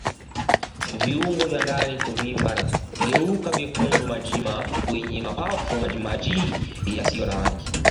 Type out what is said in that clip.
Viungo vya ndani kuvimba na kugeuka vyekundu majimaji kwenye mapafu majimaji yasiyo na rangi